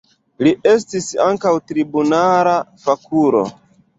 Li estis ankaŭ tribunala fakulo.